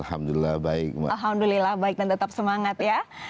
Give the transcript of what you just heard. alhamdulillah baik dan tetap semangat ya